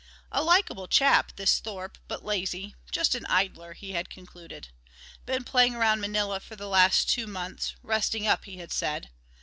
A likable chap, this Thorpe, but lazy just an idler he had concluded. Been playing around Manila for the last two months resting up, he had said.